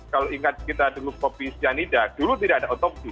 kalau ingat kita dulu kopi cyanida dulu tidak ada otopsi